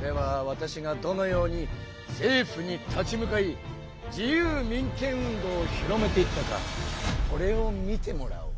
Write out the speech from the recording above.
ではわたしがどのように政府に立ち向かい自由民権運動を広めていったかこれを見てもらおう。